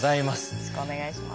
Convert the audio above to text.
よろしくお願いします。